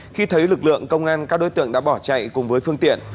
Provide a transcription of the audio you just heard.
khi thấy lực lượng công an các đối tượng đã bỏ chạy cùng với phương tiện